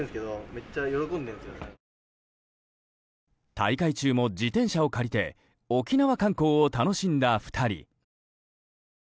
大会中も自転車を借りて沖縄観光を楽しんだ２人。